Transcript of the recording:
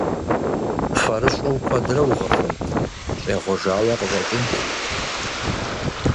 Фэрыщӏу куэдрэ угъыфынт – щӏегъуэжауэ къыщӏэкӏынт.